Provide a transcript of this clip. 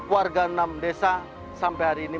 warga enam desa sampai hari ini